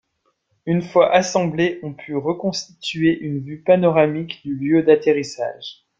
Une fois assemblés, on put reconstituer une vue panoramique du lieu d'atterrissage.